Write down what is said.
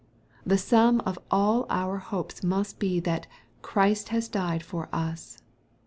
The sum of all our hopes must be, that " Christ has died for us."